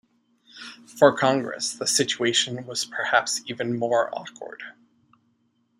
For Congress, the situation was perhaps even more awkward.